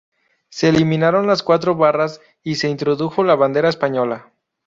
Se eliminaron las cuatro barras y se introdujo la bandera española.